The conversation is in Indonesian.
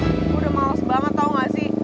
udah males banget tau gak sih